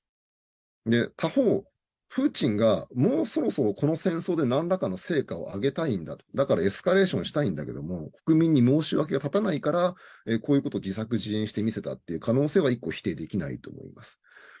他方、プーチンがもうそろそろこの戦争でなんらかの成果を上げたいんだだからエスカレーションしたいんだけども国民に申し訳が立たないから、こういうことを自作自演してみせたという可能性は１個否定できないと思います。